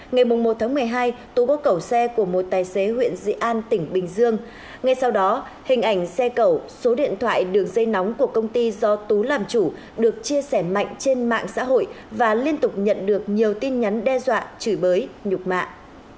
ngày một một mươi hai tú có cẩu xe của một tài xế huyện dị an tỉnh bình dương ngay sau đó hình ảnh xe cẩu số điện thoại đường dây nóng của công ty do tú làm chủ được chia sẻ mạnh trên mạng xã hội và liên tục nhận được nhiều tin nhắn đe dọa chửi bới nhục mạng